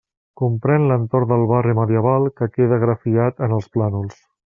Comprén l'entorn del barri medieval que queda grafiat en els plànols.